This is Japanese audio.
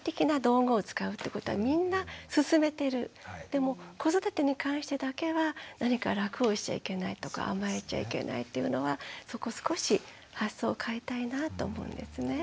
でも子育てに関してだけは何か楽をしちゃいけないとか甘えちゃいけないっていうのはそこ少し発想を変えたいなと思うんですね。